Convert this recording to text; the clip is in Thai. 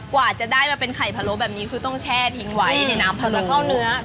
กว่าจะได้มาเป็นไข่พะโลแบบนี้คือต้องแช่ทิ้งไว้ในน้ำพอจะเข้าเนื้อ